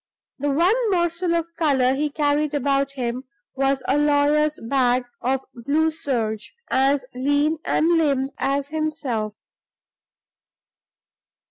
The one morsel of color he carried about him was a lawyer's bag of blue serge, as lean and limp as himself.